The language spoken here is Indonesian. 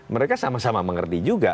mereka sama sama mengerti juga